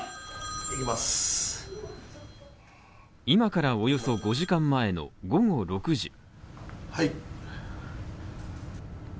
今からおよそ５時間前の午後６時。